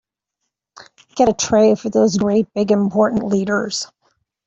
Get a tray for these great big important leaders.